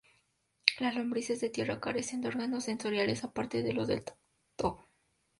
Las lombrices de tierra carecen de órganos sensoriales aparte de los del tacto.